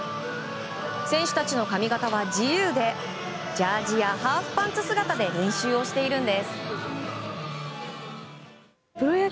選手たちの髪形は自由でジャージーやハーフパンツ姿で練習をしているんです。